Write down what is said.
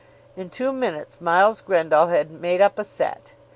In two minutes Miles Grendall had made up a set.